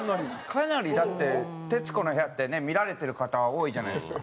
かなりだって『徹子の部屋』ってね見られてる方多いじゃないですか。